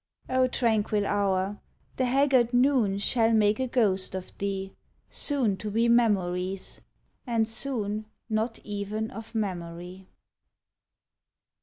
O tranquil hour! the haggard noon Shall make a ghost of thee Soon to be memory's, and soon Not even of memory.